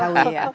betul ya bu erna